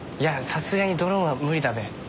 さすがにドローンは無理だべ。